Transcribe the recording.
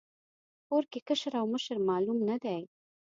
کور کې کشر او مشر معلوم نه دی.